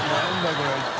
これは一体。